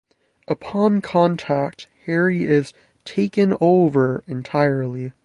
Upon contact, Harry is "taken over" entirely.